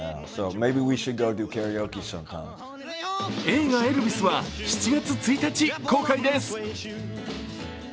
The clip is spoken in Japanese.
映画「エルヴィス」は７月１日公開です。